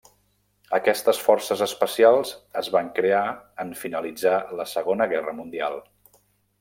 Aquestes forces especials es van crear en finalitzar la Segona Guerra Mundial.